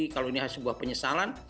kalau ini sebuah penyesalan